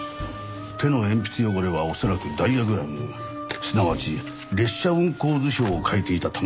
手の鉛筆汚れは恐らくダイヤグラムすなわち列車運行図表を描いていたためではないかと。